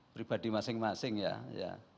pribadi masing masing ya